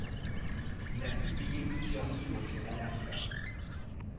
Il a publié plusieurs livres sur l'Alaska.